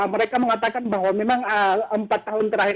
mereka mengatakan bahwa memang empat tahun terakhir